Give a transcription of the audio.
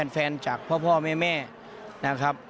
จากพ่อแม่นะครับ